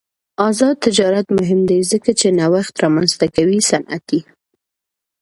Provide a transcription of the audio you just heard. آزاد تجارت مهم دی ځکه چې نوښت رامنځته کوي صنعتي.